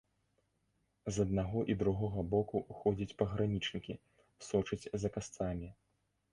З аднаго і другога боку ходзяць пагранічнікі, сочаць за касцамі.